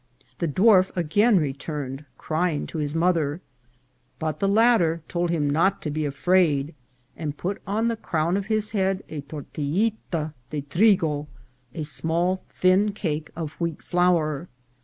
The dwarf again returned crying to his mother ; but the latter told him not to be afraid, and put on the crown of his head a tortillita de trigo, a small thin cake of wheat flour.